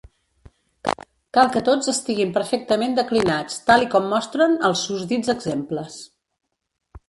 Cal que tots estiguin perfectament declinats tal i com mostren els susdits exemples.